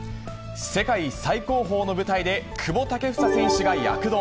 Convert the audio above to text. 世界最高峰の舞台で、久保建英選手が躍動。